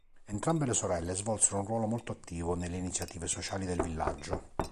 Entrambe le sorelle svolsero un ruolo molto attivo nelle iniziative sociali del villaggio.